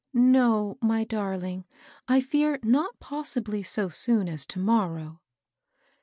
" No, my darling, I fear not possibly So sodn as to morrow."